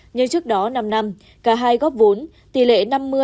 nhưng trước đó năm năm cả hai góp vốn tỷ lệ năm mươi năm mươi